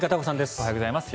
おはようございます。